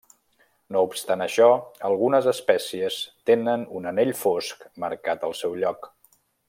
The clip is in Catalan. No obstant això, algunes espècies tenen un anell fosc marcat al seu lloc.